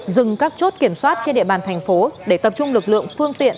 dừng các chốt kiểm soát trên địa bàn thành phố để tập trung lực lượng phương tiện